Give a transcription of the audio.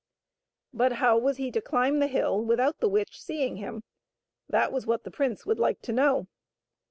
But how was he to climb the hill without the witch seeing him ? That was what the prince would like to know.